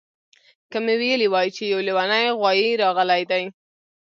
که مې ویلي وای چې یو لیونی غوایي راغلی دی